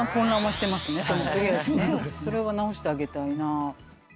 それは直してあげたいな。